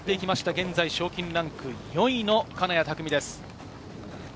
現在、賞金ランク４位の金谷拓実です。